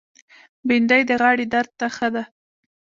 بېنډۍ د غاړې درد ته ښه ده